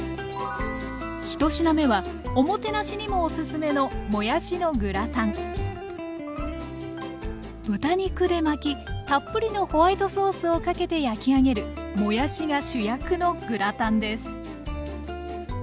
１品目はおもてなしにもオススメの豚肉で巻きたっぷりのホワイトソースをかけて焼き上げるもやしが主役のグラタンです。